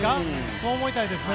そう思いたいですね。